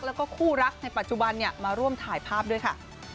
แล้วก็คู่รักในปัจจุบันมาร่วมถ่ายภาพด้วยค่ะ